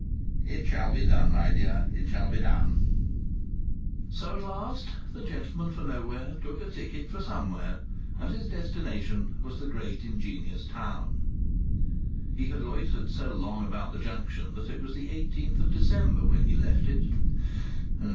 "It shall be done, my dear; it shall be done." So at last the gentleman for Nowhere took a ticket for Somewhere, and his destination was the great ingenious town. He had loitered so long about the Junction that it was the eighteenth of December when he left it.